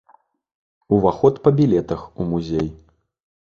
Уваход па білетах у музей.